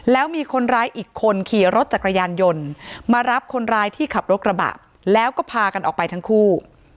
แล้วมีคนร้ายอีกคนขี่รถจักรยานยนต์มารับคนร้ายที่ขับรถกระบะแล้วก็พากันออกไปทั้งคู่